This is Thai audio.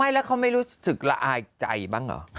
ไม่แล้วเขาไม่รู้สึกละอ่ายใจบ้างอ่ะ